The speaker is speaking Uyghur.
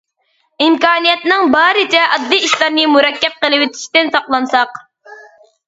ئىمكانىيەتنىڭ بارىچە ئاددىي ئىشلارنى مۇرەككەپ قىلىۋېتىشتىن ساقلانساق.